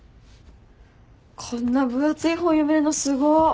こんな分厚い本読めるのすごっ。